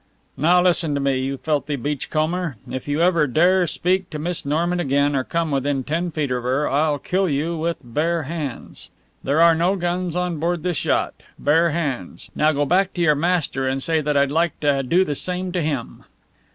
"Listen to me, you filthy beachcomber! If you ever dare speak to Miss Norman again or come within ten feet of her I'll kill you with bare hands! There are no guns on board this yacht bare hands. Now go back to your master and say that I'd like to do the same to him."